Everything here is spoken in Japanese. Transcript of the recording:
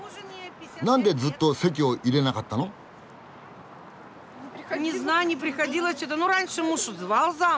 なんでずっと籍を入れなかったの？え？